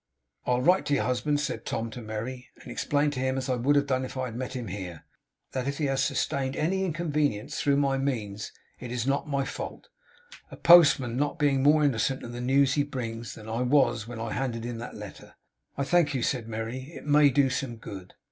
'I will write to your husband,' said Tom to Merry, 'and explain to him, as I would have done if I had met him here, that if he has sustained any inconvenience through my means, it is not my fault; a postman not being more innocent of the news he brings, than I was when I handed him that letter.' 'I thank you!' said Merry. 'It may do some good.